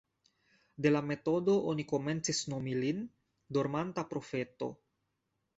De la metodo oni komencis nomi lin dormanta profeto.